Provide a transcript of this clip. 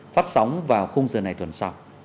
phát sóng vào không giờ này tuần sau